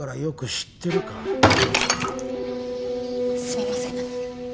すみません。